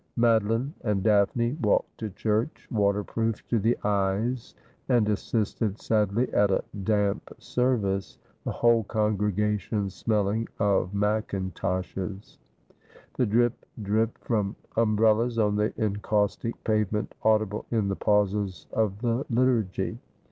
Madeline and Daphne walked to church, waterproofed to the eyes, and assisted sadly at a damp service ; the whole congregation smelling of macintoshes ; the drip drip from umbrellas on the encaustic pavement audible in the pauses of the Liturgy.